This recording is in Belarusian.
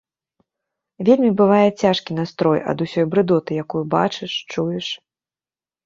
Вельмі бывае цяжкі настрой ад усёй брыдоты, якую бачыш, чуеш.